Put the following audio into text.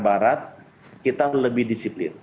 barat kita lebih disiplin